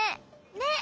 ねっ！